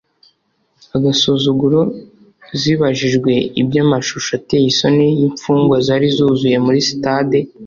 agasuzuguro zibajijwe iby'amashusho ateye isoni y'imfungwa zari zuzuye muri sitade.